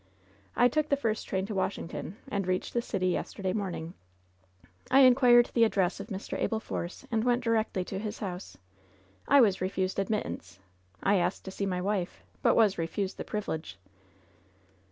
I took the first train to Washington, and reached the city yesterday morning. I inquired the address of Mr. Abel Force and went directly to his house. I was refused admittance. I asked to see my wife, but was refused the privilege."